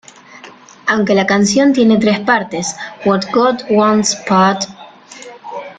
Aunque la canción tiene tres partes, "What God Wants Pt.